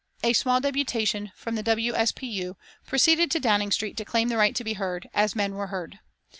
A small deputation from the W. S. P. U. proceeded to Downing Street to claim the right to be heard, as men were heard.